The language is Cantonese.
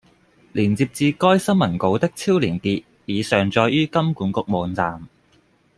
連接至該新聞稿的超連結已上載於金管局網站